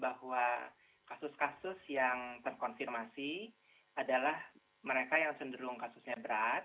bahwa kasus kasus yang terkonfirmasi adalah mereka yang cenderung kasusnya berat